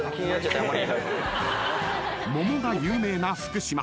［桃が有名な福島］